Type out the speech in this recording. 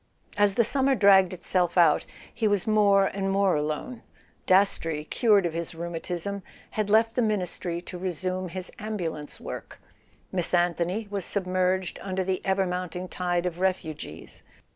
As the summer dragged itself out he was more and more alone. Dastrey, cured of his rheumatism, had [ 255 ] A SON AT THE FRONT left the Ministry to resume his ambulance work. Miss Anthony was submerged under the ever mounting tide of refugees.